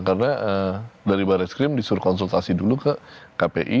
karena dari baris krim disuruh konsultasi dulu ke kpi